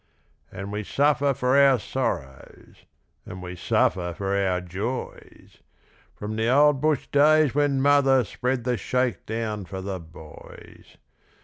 And we suffer for our sorrows, And we suffer for our joys, From the old bush days when mother Spread the shake down for the boys.